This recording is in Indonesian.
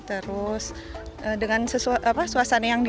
terus dengan suasana yang di